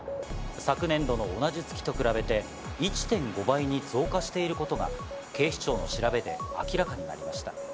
昨年度の同じ月と比べて１．５倍に増加していることが警視庁の調べで明らかになりました。